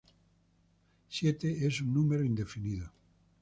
Siete es un número indefinido.